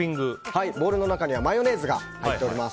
ボウルの中にはマヨネーズが入っております。